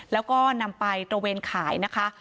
แล้วก็นำไปตระเวนขายนะคะ